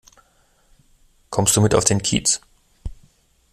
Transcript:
Kommst du mit auf den Kiez?